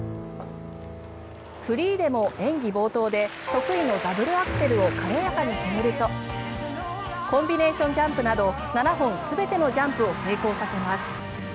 フリーでも演技冒頭で得意のダブルアクセルを軽やかに決めるとコンビネーションジャンプなど７本全てのジャンプを成功させます。